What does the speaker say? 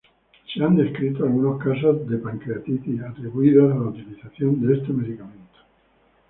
Se han descrito algunos casos de pancreatitis atribuidos a la utilización de este medicamento.